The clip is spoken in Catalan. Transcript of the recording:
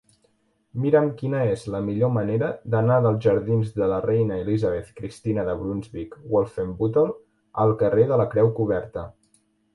Mira'm quina és la millor manera d'anar dels jardins de la Reina Elisabeth Cristina de Brunsvic-Wolfenbüttel al carrer de la Creu Coberta.